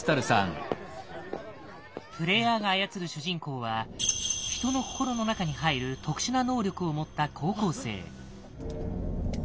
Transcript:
プレイヤーが操る主人公は人の心の中に入る特殊な能力を持った高校生。